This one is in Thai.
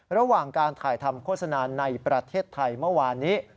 ระหว่างการถ่ายทำโฆษณาในประเทศไทยเมื่อวานนี้